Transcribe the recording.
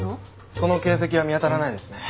その形跡は見当たらないですね。